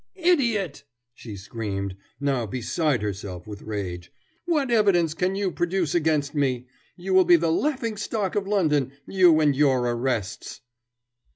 "Idiot!" she screamed, now beside herself with rage, "what evidence can you produce against me? You will be the laughing stock of London, you and your arrests."